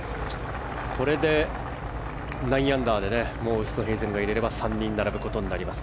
これで９アンダーでウーストヘイゼンが入れれば３人並ぶことになります。